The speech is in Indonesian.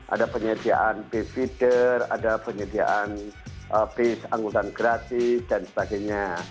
ada penyediaan bis feeder ada penyediaan bis angkutan gratis dan sebagainya